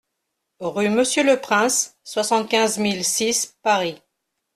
Rue Monsieur le Prince, soixante-quinze mille six Paris